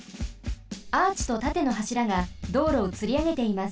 アーチとたてのはしらが道路をつりあげています。